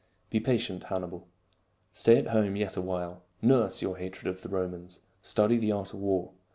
Be patient, Hannibal. Stay at home yet a while ; nurse your hatred of the Romans ; study the art of war.